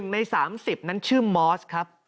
ใน๓๐นั้นชื่อมอสครับ